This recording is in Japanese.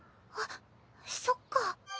あっそっか。